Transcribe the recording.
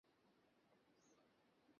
সৌভাগ্যক্রমে, আমি একটা সমাধান খুঁজে পেয়েছি।